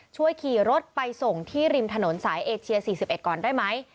ช่วยขี่รถไปส่งที่ริมถนนสายเอเชีย๔๑ก่อนได้ไหม